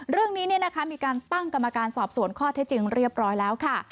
เรื่องนี้มีการตั้งกรรมการสอบสวนข้อเท็จจริงเรียบร้อยแล้วค่ะ